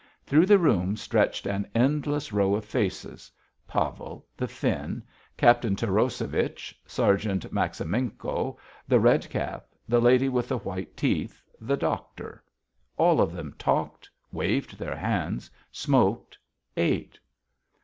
Through the room stretched an endless row of faces; Pavel, the Finn, Captain Taroshevich, Sergeant Maximenko, the red cap, the lady with the white teeth, the doctor. All of them talked, waved their hands, smoked, ate.